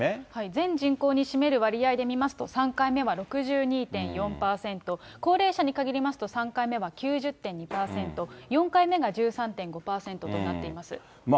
全人口に占める割合で見ますと、３回目は６２．４％、高齢者に限りますと、３回目は９０．２％、４回目が１３．５％となっています。